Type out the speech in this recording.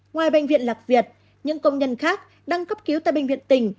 ngoài bệnh viện lạc việt những công nhân khác đang cấp cứu tại bệnh viện tỉnh